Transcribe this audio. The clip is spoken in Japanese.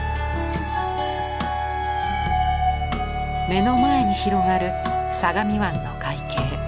目の前に広がる相模湾の海景。